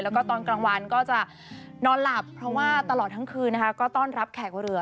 แล้วก็ตอนกลางวันก็จะนอนหลับเพราะว่าตลอดทั้งคืนนะคะก็ต้อนรับแขกเรือ